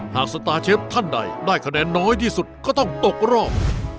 สตาร์เชฟท่านใดได้คะแนนน้อยที่สุดก็ต้องตกรอบ